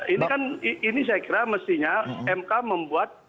ini kan ini saya kira mestinya mk membuat